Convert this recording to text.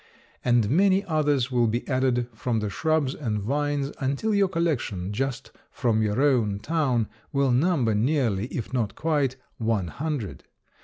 And many others will be added from the shrubs and vines until your collection, just from your own town, will number nearly, if not quite, one hundred.